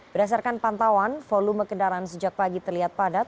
berdasarkan pantauan volume kendaraan sejak pagi terlihat padat